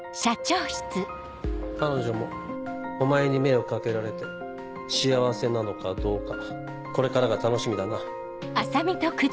彼女もお前に目をかけられて幸せなのかどうかこれからが楽しみだな。